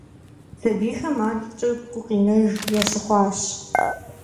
Сабийхэм ар икъукӀэ гукъинэж ящыхъуащ.